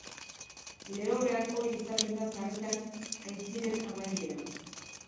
Lehorrean hori izaten da sarritan aintziren amaiera.